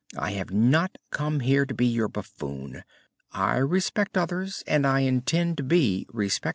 I have not come here to be your buffoon. I respect others, and I intend to be respected."